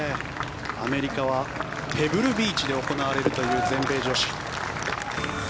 アメリカはペブルビーチで行われるという全米女子。